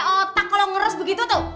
otak kalau ngurus begitu tuh